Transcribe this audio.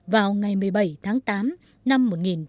vào ngày một mươi bảy tháng tám năm một nghìn chín trăm bốn mươi năm